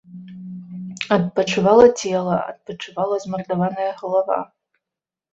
Адпачывала цела, адпачывала змардаваная галава.